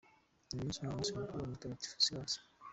Uyu munsi ni umunsi mukuru wa Mutagatifu Silas.